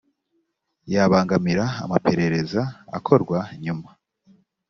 yabangamira amaperereza akorwa nyuma